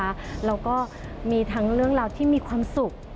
แล้วก็มีทั้งเรื่องราวที่มีความสุข